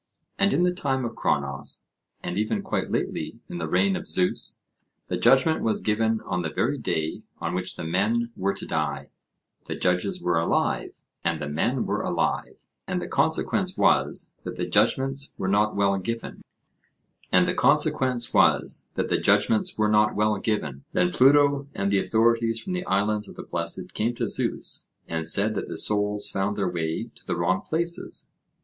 And in the time of Cronos, and even quite lately in the reign of Zeus, the judgment was given on the very day on which the men were to die; the judges were alive, and the men were alive; and the consequence was that the judgments were not well given. Then Pluto and the authorities from the Islands of the Blessed came to Zeus, and said that the souls found their way to the wrong places.